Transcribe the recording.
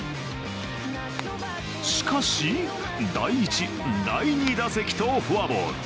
しかし第１、第２打席とフォアボール。